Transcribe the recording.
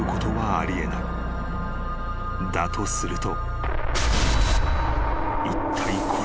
［だとすると］